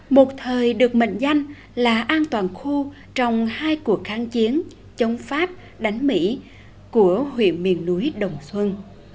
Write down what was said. một thời được mệnh danh là an toàn khu trong hai cuộc kháng chiến chống pháp đánh mỹ của huyện miền núi đồng xuân